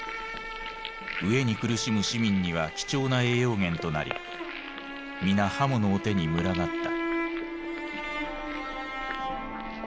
飢えに苦しむ市民には貴重な栄養源となり皆刃物を手に群がった。